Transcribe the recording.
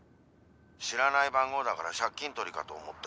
「知らない番号だから借金取りかと思った」